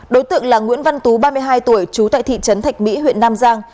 đối tượng là nguyễn văn tú ba mươi hai tuổi trú tại thị trấn thạch mỹ huyện nam giang